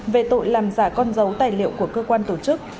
về tội làm giả con dấu tài liệu của cơ quan tổ chức